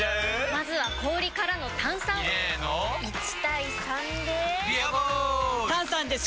まずは氷からの炭酸！入れの１：３で「ビアボール」！